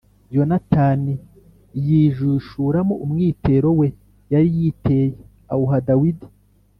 Yonatani yijishuramo umwitero we yari yiteye awuha Dawidi